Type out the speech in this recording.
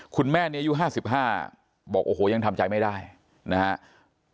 คุณแม่นี้อายุ๕๕บอกโอ้โหยังทำใจไม่ได้นะครับ